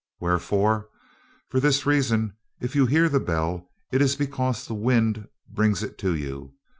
Wherefore? For this reason: if you hear the bell, it is because the wind brings it to you.